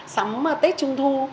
sắm tết trung thu